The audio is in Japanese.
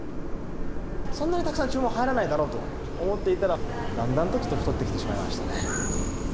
そんなにたくさん注文は入らないだろうと思っていたら、だんだんと太ってきてしまいましたね。